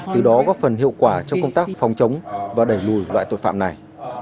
từ đó góp phần hiệu quả trong công tác phòng chống và đẩy lùi loại tội phạm này